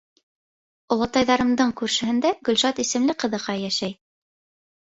Олатайымдарҙың күршеһендә Гөлшат исемле ҡыҙыҡай йәшәй.